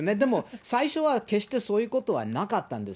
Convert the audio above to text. でも最初は、決してそういうことはなかったんです。